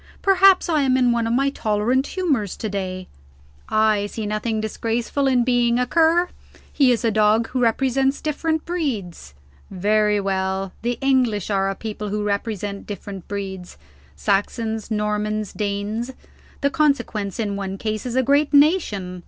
Perhaps I am in one of my tolerant humors to day; I see nothing disgraceful in being a Cur. He is a dog who represents different breeds. Very well, the English are a people who represent different breeds: Saxons, Normans, Danes. The consequence, in one case, is a great nation.